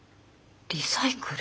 リサイクル。